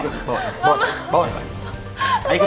kamu tolongin aku aku gak mau udah takut